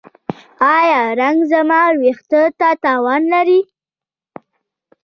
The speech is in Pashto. ایا رنګ زما ویښتو ته تاوان لري؟